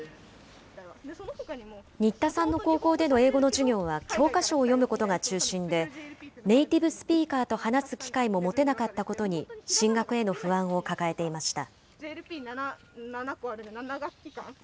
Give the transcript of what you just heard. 新田さんの高校での英語の授業は、教科書を読むことが中心で、ネイティブスピーカーと話す機会も持てなかったことに、進学への不安を抱えていました。